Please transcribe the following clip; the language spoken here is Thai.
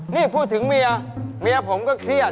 นี่พูดถึงเมียเมียผมก็เครียด